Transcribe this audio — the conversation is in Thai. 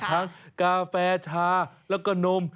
ทั้งกาแฟชาแล้วก็นม